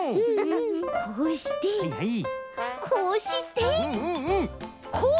こうしてこうしてこう。